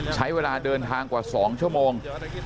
ใช้เวลาเดินทางกว่า๒ชั่วโมง